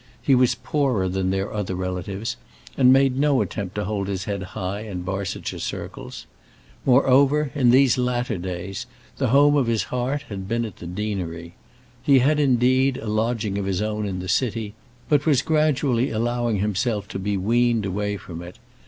He was poorer than their other relatives, and made no attempt to hold his head high in Barsetshire circles. Moreover, in these latter days, the home of his heart had been at the deanery. He had, indeed, a lodging of his own in the city, but was gradually allowing himself to be weaned away from it.